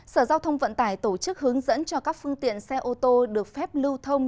sở giao thông vận tải tổ chức hướng dẫn cho các phương tiện xe ô tô được phép lưu thông